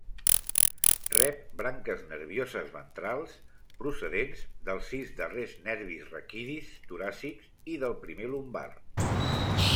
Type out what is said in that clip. Rep branques nervioses ventrals procedents dels sis darrers nervis raquidis toràcics i del primer lumbar.